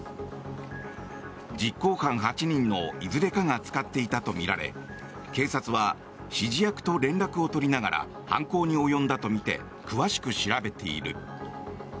実行犯８人のいずれかが使っていたとみられ警察は指示役と連絡を取りながら犯行に及んだとみて詳しく調べている。